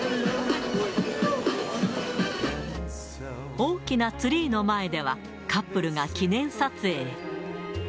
大きなツリーの前では、カップルが記念撮影。